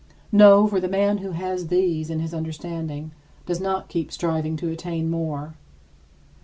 No, for the man who has these in his understanding does not keep striving to attain more.